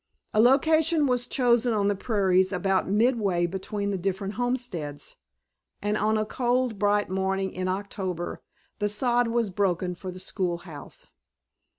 A location was chosen on the prairies about midway between the different homesteads, and on a cold, bright morning in October the sod was broken for the schoolhouse.